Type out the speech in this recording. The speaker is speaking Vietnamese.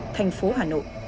thành phố hà nội